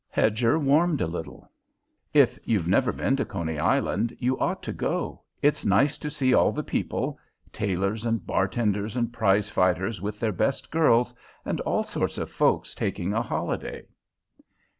Hedger warmed a little. "If you've never been to Coney Island, you ought to go. It's nice to see all the people; tailors and bar tenders and prize fighters with their best girls, and all sorts of folks taking a holiday."